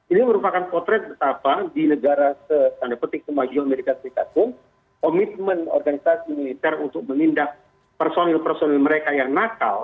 ini merupakan potret betapa di negara se kemaju amerika serikat pun komitmen organisasi militer untuk menindak personil personil mereka